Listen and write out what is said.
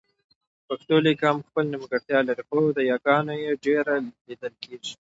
پښتو لیک هم خپله نيمګړتیا لري خو د یاګانو يې ډېره لیدل کېږي